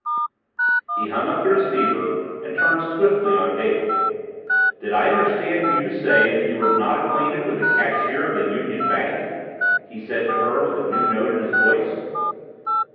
He hung up the receiver and turned swiftly on Dale. "Did I understand you to say that you were not acquainted with the cashier of the Union Bank?" he said to her with a new note in his voice.